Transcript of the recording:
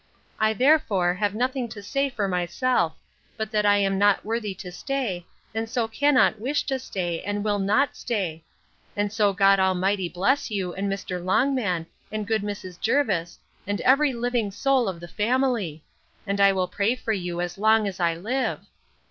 I, therefore, have nothing to say for myself, but that I am not worthy to stay, and so cannot wish to stay, and will not stay: And so God Almighty bless you, and you Mr. Longman, and good Mrs. Jervis, and every living soul of the family! and I will pray for you as long as I live!